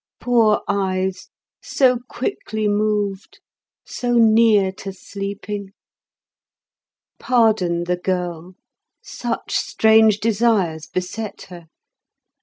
Poor eyes, so quickly moved, so near to sleeping? Pardon the girl; such strange desires beset her.